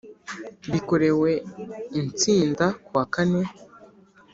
bikorewe i nsinda kuwa kane